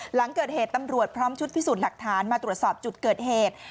หลังเกิดเหตุตำรวจพร้อมชุดพิสูจน์หลักฐานมาตรวจสอบจุดเกิดเหตุ